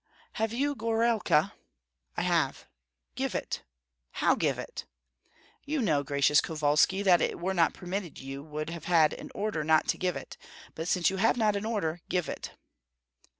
"Have you gorailka?" "I have." "Give it!" "How give it?" "You know, gracious Kovalski, if it were not permitted you would have had an order not to give it; but since you have not an order, give it."